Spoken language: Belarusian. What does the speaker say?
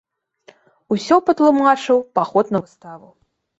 Усё патлумачыў паход на выставу.